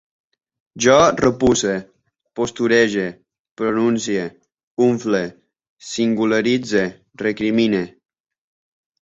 Jo repusse, posturege, pronuncie, unfle, singularitze, recrimine